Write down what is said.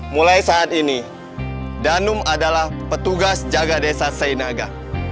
mulai saat ini danum adalah petugas jaga desa seinaga